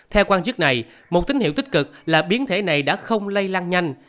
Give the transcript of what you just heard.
theo quan chức này một tín hiệu tích cực là biến thể này đã không lây lan nhanh